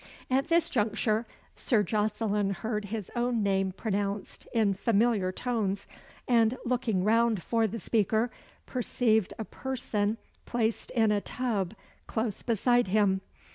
At this juncture, Sir Jocelyn heard his own name pronounced in familiar tones, and looking round for the speaker, perceived a person placed in a tub close beside him.